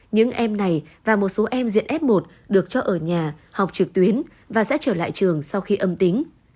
những em này và một số em diện f một được cho ở nhà học trực tuyến và sẽ trở lại trường sau khi âm tính